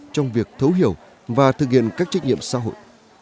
trong việc thấu hiểu và thực hiện các trách nhiệm xã hội